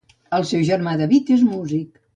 El seu germà David és music.